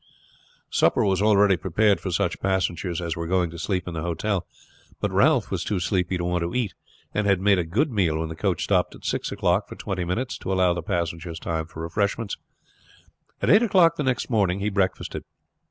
Supper was already prepared for such passengers as were going to sleep in the hotel; but Ralph was too sleepy to want to eat, and had made a good meal when the coach stopped at six o'clock for twenty minutes to allow the passengers time for refreshments. At eight o'clock next morning he breakfasted.